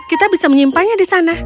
kita bisa menyimpannya di sana